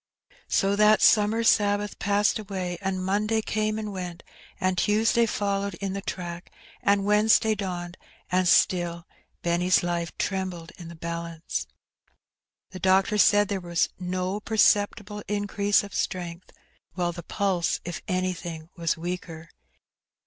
So that summer Sabbath passed away, and Monday came and went, and Tuesday followed in the track, and Wednesday dawned, and still Benny's life trembled in the balance. The doctor said there was no perceptible increase of strength, while the pulse, if anything, was weaker.